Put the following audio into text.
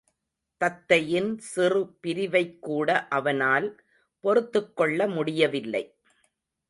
தத்தையின் சிறு பிரிவைக்கூட அவனால் பொறுத்துக்கொள்ள முடியவில்லை.